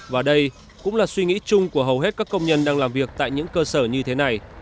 và đây cũng là suy nghĩ chung của hầu hết các công nhân đang làm việc tại những cơ sở như thế này